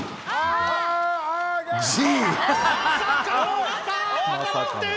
Ｇ！